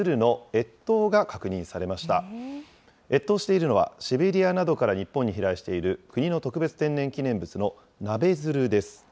越冬しているのは、シベリアなどから日本に飛来している国の特別天然記念物のナベヅルです。